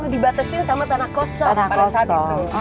dibatasin sama tanah kosong pada saat itu